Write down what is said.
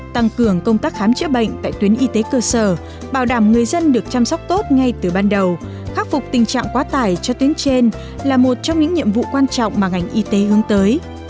tăng cường công tác khám chữa bệnh tại tuyến y tế cơ sở bảo đảm người dân được chăm sóc tốt ngay từ ban đầu khắc phục tình trạng quá tải cho tuyến trên là một trong những nhiệm vụ quan trọng mà ngành y tế hướng tới